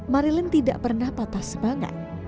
marilin tidak pernah patah semangat